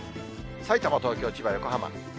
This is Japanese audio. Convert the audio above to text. さいたま、東京、千葉、横浜。